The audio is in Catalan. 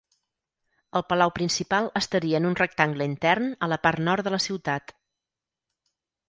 El palau principal estaria en un rectangle intern a la part nord de la ciutat.